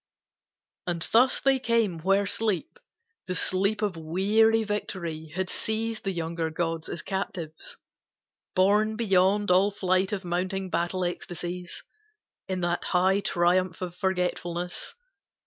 And thus they came where Sleep, The sleep of weary victory, had seized The younger gods as captives, borne beyond All flight of mounting battle ecstasies In that high triumph of forgetfulness.